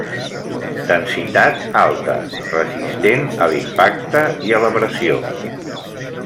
Densitat alta: resistent a l'impacte i a l'abrasió.